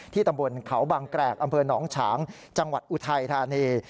ตำบลเขาบางแกรกอำเภอหนองฉางจังหวัดอุทัยธานี